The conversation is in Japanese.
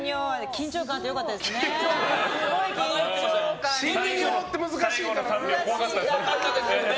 緊張感あって良かったですね。